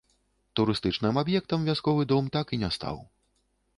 Турыстычным аб'ектам вясковы дом так і не стаў.